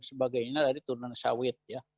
dan sebagainya dari turunan sawit ya